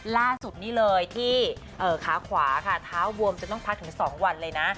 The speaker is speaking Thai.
ล่าสุดนี่เลยที่ขาขวาค่ะเท้าบวมจนต้องพักถึง๒วันเลยนะ